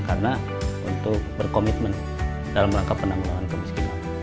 karena untuk berkomitmen dalam rangka penambahan kemiskinan